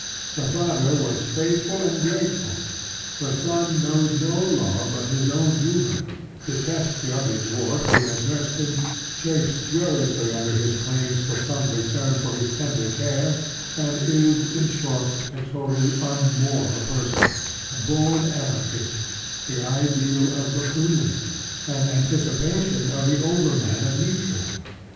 The father was faithful and grateful: the son knows no law but his own humor; detests the ugly dwarf who has nursed him; chafes furiously under his claims for some return for his tender care; and is, in short, a totally unmoral person, a born anarchist, the ideal of Bakoonin, an anticipation of the "overman" of Nietzsche.